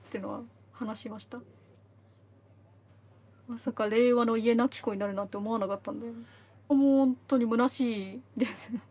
まさか令和の家なき子になるなんて思わなかったんでもうほんとにむなしいですね。